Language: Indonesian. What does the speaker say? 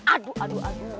aduh aduh aduh